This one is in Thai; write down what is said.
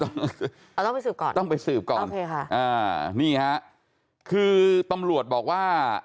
เราต้องไปสืบก่อนต้องไปสืบก่อนโอเคค่ะอ่านี่ฮะคือตำรวจบอกว่า